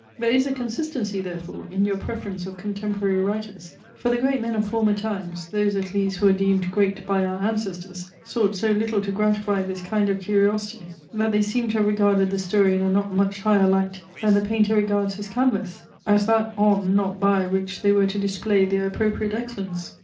There is a consistency, therefore, in your preference of contemporary writers: for the great men of former times, those at least who were deemed great by our ancestors, sought so little to gratify this kind of curiosity, that they seemed to have regarded the story in a not much higher light, than the painter regards his canvass: as that on, not by, which they were to display their appropriate excellence.